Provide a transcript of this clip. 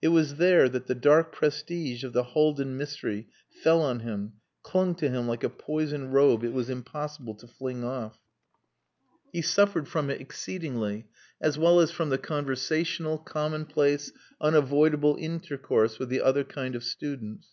It was there that the dark prestige of the Haldin mystery fell on him, clung to him like a poisoned robe it was impossible to fling off. He suffered from it exceedingly, as well as from the conversational, commonplace, unavoidable intercourse with the other kind of students.